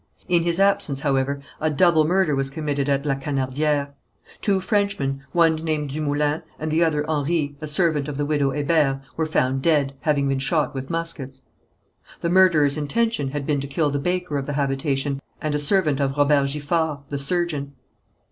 In his absence, however, a double murder was committed at La Canardière. Two Frenchmen, one named Dumoulin, and the other Henri, a servant of the widow Hébert, were found dead, having been shot with muskets. The murderer's intention had been to kill the baker of the habitation, and a servant of Robert Giffard, the surgeon.